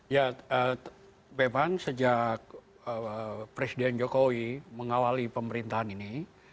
ya memang sejak presiden jokowi mengawali pemerintahan ini